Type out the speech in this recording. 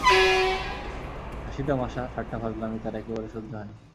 হাসি-তামাশা, ঠাট্টা-ফাজলামি তাঁর একেবারে সহ্য হয় না।